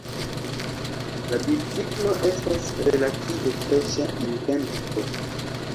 La biciklo estas relative freŝa invento.